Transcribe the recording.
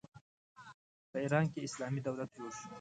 په ایران کې اسلامي دولت جوړ شو.